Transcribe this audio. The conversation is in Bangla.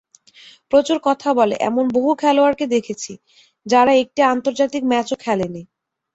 প্রচুর কথা বলে, এমন বহু খেলোয়াড়কে দেখেছি, যারা একটি আন্তর্জাতিক ম্যাচও খেলেনি।